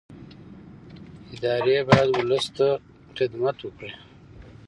ادارې باید ولس ته خدمت وکړي